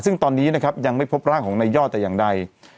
ซึ่งตอนนี้นะครับยังไม่พบร่างของนายยอดแต่อย่างใด